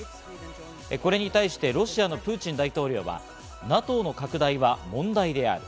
これに対してロシアのプーチン大統領はＮＡＴＯの拡大は問題である。